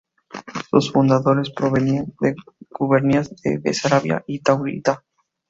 Sus fundadores provenían de las gubernias de Besarabia y Táurida.